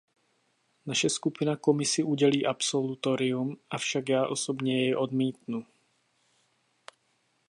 Naše skupina Komisi udělí absolutorium, avšak já osobně jej odmítnu.